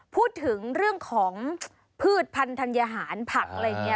พูดถึงเรื่องของพืชพันธัญหารผักอะไรอย่างนี้